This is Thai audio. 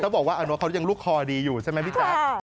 ต้องบอกว่าอันนท์เขายังลุกคอดีอยู่ใช่ไหมพี่จ๊ะ